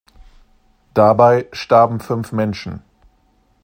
Dabei starben fünf Menschen.